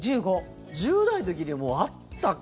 １０代の時にはもうあったか。